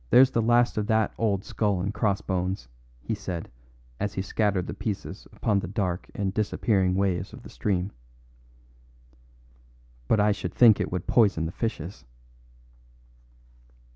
"There's the last of that old skull and crossbones," he said as he scattered the pieces upon the dark and disappearing waves of the stream; "but I should think it would poison the fishes."